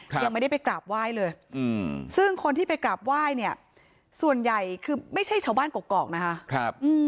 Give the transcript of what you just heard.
ยังไม่ได้ไปกราบไหว้เลยซึ่งคนที่ไปกราบไหว้เนี่ยส่วนใหญ่คือไม่ใช่ชาวบ้านกรอกนะคะ